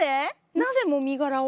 なぜもみ殻を？